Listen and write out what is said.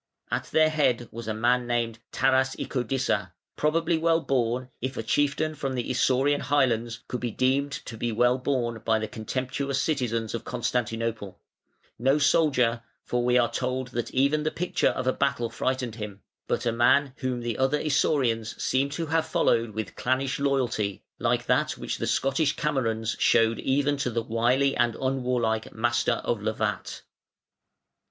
At their head was a man named Tarasicodissa, probably well born, if a chieftain from the Isaurian highlands could be deemed to be well born by the contemptuous citizens of Constantinople, no soldier, for we are told that even the picture of a battle frightened him, but a man whom the other Isaurians seem to have followed with clannish loyalty, like that which the Scottish Camerons showed even to the wily and unwarlike Master of Lovat.